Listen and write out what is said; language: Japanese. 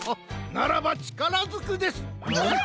ならばちからずくです！